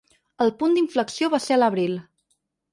El punt d’inflexió va ser a l’abril.